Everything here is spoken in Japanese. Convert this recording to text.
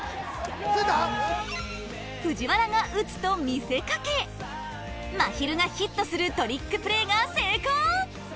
藤原が打つと見せかけまひるがヒットするトリックプレーが成功！